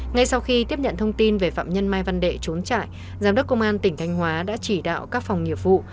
ngay sau khi tiếp nhận thông tin về phạm nhân mai văn đệ trốn trại giám đốc công an tỉnh thanh hóa đã chỉ đạo các phòng nghiệp vụ